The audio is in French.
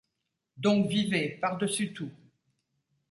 Donc vivez, par-dessus tout.